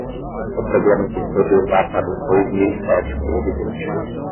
O problema que explodiu lá para os dois mil e sete foi evidente.